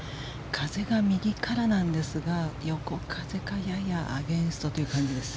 風が右からなんですが、横風かややアゲンストという感じです。